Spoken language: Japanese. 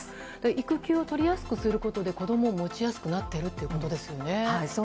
育休を取りやすくすることで子供を持ちやすくなっているそうなんですよね。